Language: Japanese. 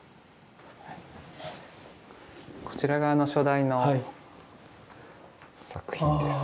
こちらが初代の作品です。